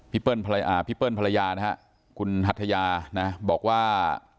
พี่เปิ้ลภรรยานะฮะคุณหัทยานะบอกว่า